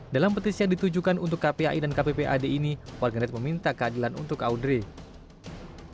dalam petisi yang ditujukan untuk kpai dan kppad ini warganet meminta keadilan untuk audrey